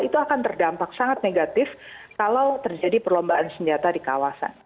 itu akan terdampak sangat negatif kalau terjadi perlombaan senjata di kawasan